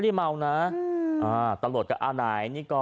เดิมมาอยู่ในนั้น